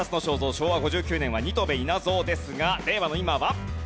昭和５９年は新渡戸稲造ですが令和の今は？